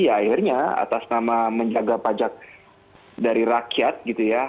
ya akhirnya atas nama menjaga pajak dari rakyat gitu ya